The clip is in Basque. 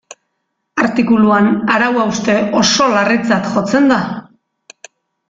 Artikuluan arau hauste oso larritzat jotzen da.